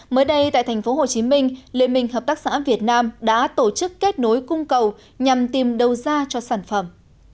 mới đây tại tp hcm liên minh hợp tác xã việt nam đã tổ chức kết nối cung cầu nhằm tìm đầu ra cho sản phẩm